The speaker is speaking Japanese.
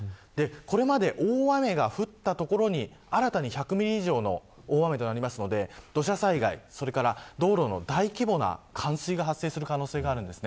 これまで大雨が降った所に新たに１００ミリ以上の大雨となりますので土砂災害、それから道路の大規模な冠水が発生する可能性があります。